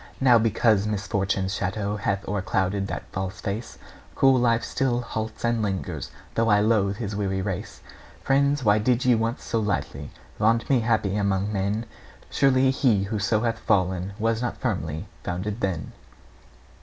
Now, because misfortune's shadow Hath o'erclouded that false face, Cruel Life still halts and lingers, Though I loathe his weary race. Friends, why did ye once so lightly Vaunt me happy among men? Surely he who so hath fallen Was not firmly founded then.